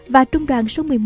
và trung đoàn số một mươi một